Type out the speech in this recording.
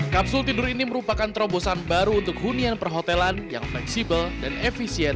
kapsul tidur ini merupakan terobosan baru untuk hunian perhotelan yang fleksibel dan efisien